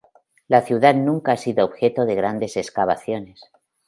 La ciudad nunca ha sido objeto de grandes excavaciones.